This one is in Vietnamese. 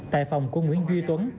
tại phòng của nguyễn duy tuấn